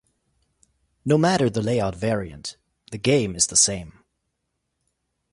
No matter the layout variant, the game is the same.